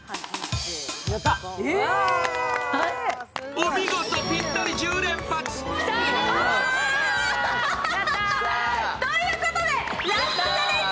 お見事、ぴったり１０連発！ということでチャレンジ